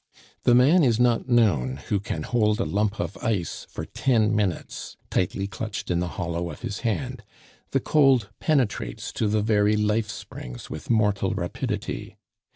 The man is not known who can hold a lump of ice for ten minutes tightly clutched in the hollow of his hand. The cold penetrates to the very life springs with mortal rapidity.